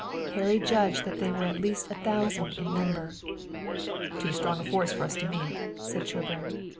Harry judged that they were at least a thousand in number. "Too strong a force for us to meet," said Sherburne.